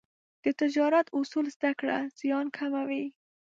د تجارت اصول زده کړه، زیان کموي.